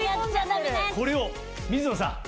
これを水野さん！